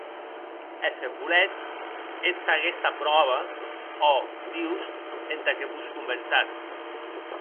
E se voletz, hétz aguesta pròva, ò dius, entà que vos convençatz.